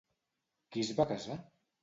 Qui es va casar?